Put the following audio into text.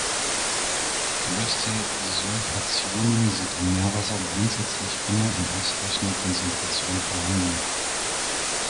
Gelöste Sulfationen sind im Meerwasser grundsätzlich immer in ausreichender Konzentration vorhanden.